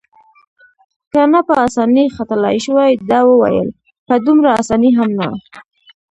که نه په اسانۍ ختلای شوای، ده وویل: په دومره اسانۍ هم نه.